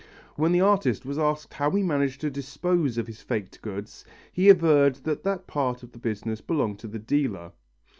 When the artist was asked how he managed to dispose of his faked goods, he averred that that part of the business belonged to the dealer.